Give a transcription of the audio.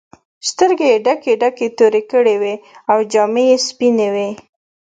سترګې یې ډکې ډکې تورې کړې وې او جامې یې سپینې وې.